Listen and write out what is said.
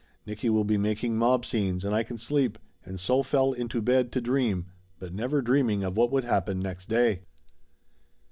Nicky will be making mob scenes and I can sleep, and so fell into bed to dream, but never dreaming of what would happen next day.